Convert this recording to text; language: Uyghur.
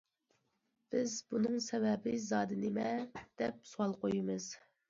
بىز بۇنىڭ سەۋەبى زادى نېمە؟ دەپ سوئال قويىمىز.